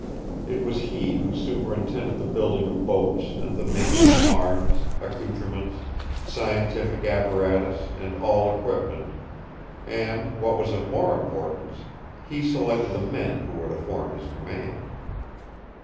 It was he who superintended the building of boats and the making of arms, accoutrements, scientific apparatus, and all equipment; and, what was of more importance, he selected the men who were to form his command.